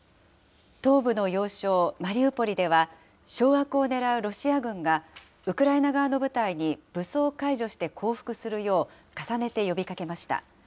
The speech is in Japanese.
東部の要衝マリウポリでは、掌握をねらうロシア軍が、ウクライナ側の部隊に武装解除して降伏するよう、重ねて呼びかけました。